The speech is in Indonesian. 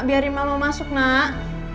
biarin mama masuk nak